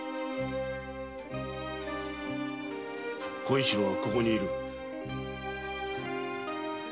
小一郎はここに居る。